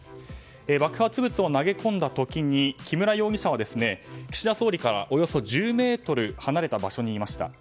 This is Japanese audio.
爆発物を投げ込んだ時に木村容疑者は岸田総理から、およそ１０ｍ離れた場所にいました。